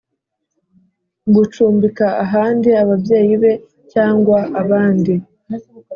gucumbika ahandi ababyeyi be cyangwa abandi